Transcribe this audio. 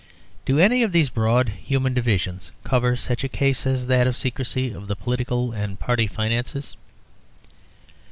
Do any of these broad human divisions cover such a case as that of secrecy of the political and party finances?